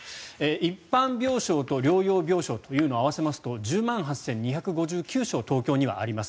一般病床と療養病床というのを合わせると１０万８２５９床東京にはあります。